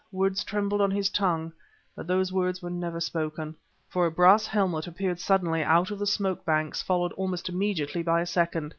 Words trembled on his tongue; but those words were never spoken ... for a brass helmet appeared suddenly out of the smoke banks, followed almost immediately by a second....